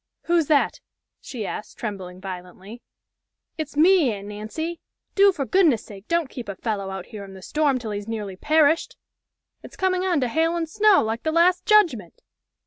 "Who's that?" she asked, trembling violently. "It's me, Aunt Nancy! Do for goodness' sake don't keep a fellow out here in the storm till he's nearly perished. It's coming on to hail and snow like the last judgment!"